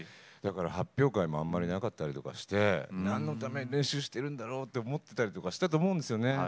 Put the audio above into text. だから発表会もあまりなかったりとかして何のために練習しているんだろうと思っていたりとかしていたと思うんですよね。